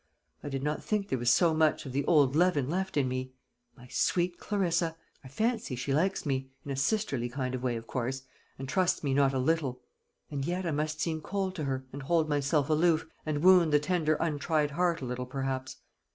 I did not think there was so much of the old leaven left in me. My sweet Clarissa! I fancy she likes me in a sisterly kind of way, of course and trusts me not a little. And yet I must seem cold to her, and hold myself aloof, and wound the tender untried heart a little perhaps.